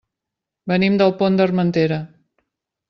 Venim del Pont d'Armentera.